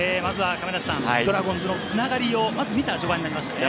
ドラゴンズのつながりを見た序盤になりましたね。